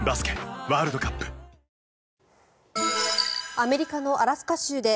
アメリカのアラスカ州で